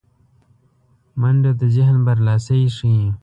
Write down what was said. منډه د ذهن برلاسی ښيي